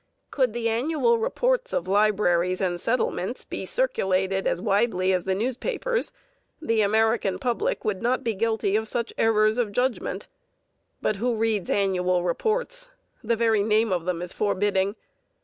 Could the annual reports of libraries and settlements be circulated as widely as the newspapers, the American public would not be guilty of such errors of judgment. But who reads annual reports? The very name of them is forbidding!